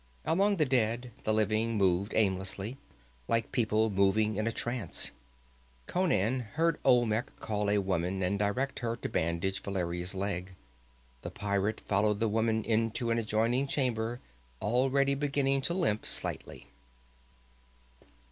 Among the dead the living moved aimlessly, like people moving in a trance. Conan heard Olmec call a woman and direct her to bandage Valeria's leg. The pirate followed the woman into an adjoining chamber, already beginning to limp slightly.